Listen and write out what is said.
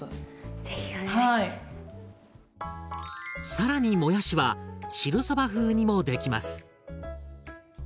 更にもやしは汁そば風にもできます。